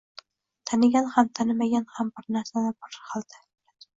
Tanigan ham tanimagan ham bir narsani bir narxda oladi.